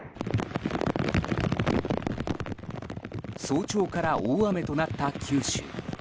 早朝から大雨となった九州。